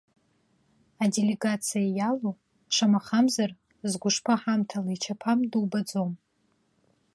Аделегациа иалоу, шамахамзар, згәышԥы ҳамҭала ичаԥам дубаӡом.